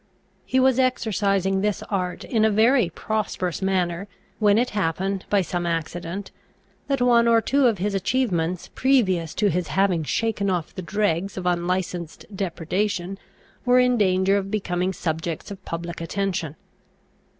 He was exercising this art in a very prosperous manner, when it happened, by some accident, that one or two of his achievements previous to his having shaken off the dregs of unlicensed depredation were in danger of becoming subjects of public attention.